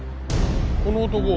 この男。